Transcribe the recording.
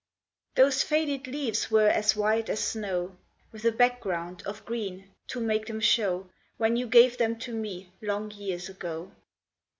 Those faded leaves were as white as snow, With a background of green, to make them show, When you gave them to me long years ago.